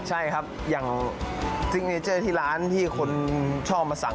ใช่ครับอย่างชีวิตที่ร้านที่คนชอบมาสั่ง